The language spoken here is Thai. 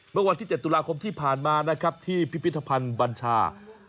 เมื่อวันที่๗ตุลาคมที่ผ่านมานะครับที่พิพิธภัณฑ์บัญชา